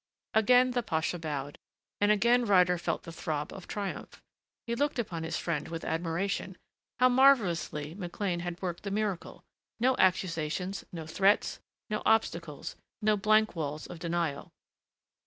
Again the pasha bowed and again Ryder felt the throb of triumph. He looked upon his friend with admiration. How marvelously McLean had worked the miracle. No accusations, no threats, no obstacles, no blank walls of denial!